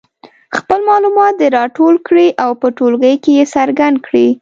خپل معلومات دې راټول کړي او په ټولګي کې یې څرګند کړي.